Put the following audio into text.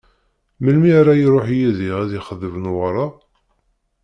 Melmi ara iruḥ Yidir ad d-ixḍeb Newwara?